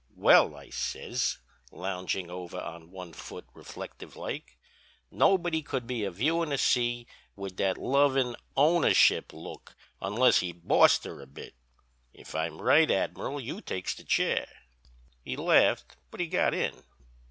"Well," I says, lounging over on one foot reflective like, "nobody could be a viewin' the sea with that lovin', ownership look unless he'd bossed her a bit.... If I'm right, Admiral, you takes the chair." "'He laughed, but he got in.